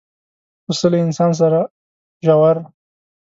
پسه له انسان سره ژور